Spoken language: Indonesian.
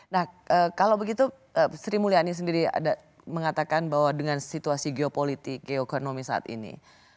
nah kalau begitu sri mulyani sendiri ada mengatakan bahwa dengan situasi geopolitik geokonomi saat ini